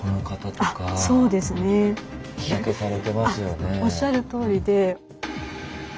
あっおっしゃるとおりで。